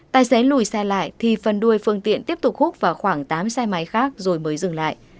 tài xế lùi xe lại thì phần đuôi phương tiện tiếp tục hút vào khoảng tám xe máy khác rồi mới dừng lại